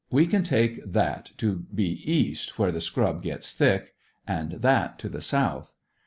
We can take that to be east, where the scrub gets thick, and that to be south.